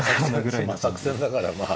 作戦だからまあ。